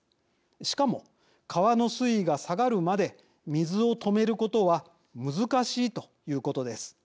しかも川の水位が下がるまで水を止めることは難しいということです。